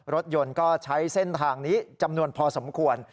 รถยนต์ก็ใช้เส้นทางนี้จำนวนพอสมควร